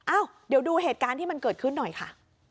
อ้าวเดี๋ยวดูเหตุการณ์ที่มันเกิดขึ้นหน่อยค่ะ